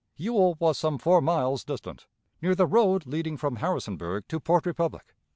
Ewell was some four miles distant, near the road leading from Harrisonburg to Port Republic.